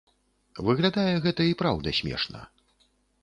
Выглядае гэта і праўда смешна.